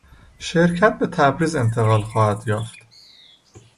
شرکت به تبریز انتقال خواهد یافت.